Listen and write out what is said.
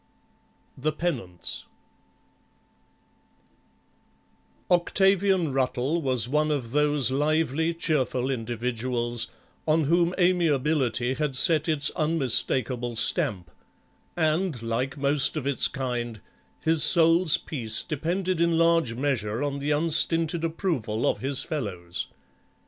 THE PENANCE Octavian Ruttle was one of those lively cheerful individuals on whom amiability had set its unmistakable stamp, and, like most of his kind, his soul's peace depended in large measure on the unstinted approval of his fellows.